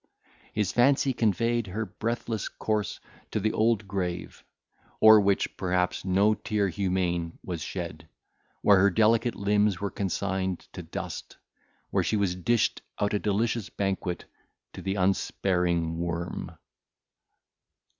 His fancy conveyed her breathless corse to the cold grave, o'er which, perhaps, no tear humane was shed, where her delicate limbs were consigned to dust, where she was dished out a delicious banquet to the unsparing worm.